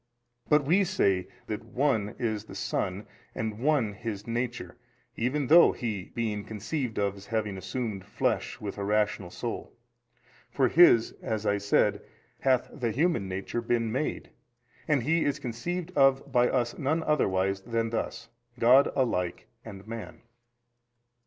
but we say that One is the SON and One His Nature even though He be conceived of as having assumed flesh with a rational soul. For His (as I said) hath the human nature been made, and He is conceived of by us none otherwise than thus, God alike and man.